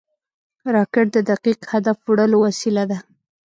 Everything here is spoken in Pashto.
راکټ د دقیق هدف وړلو وسیله ده